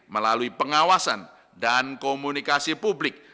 melalui pengawasan dan komunikasi publik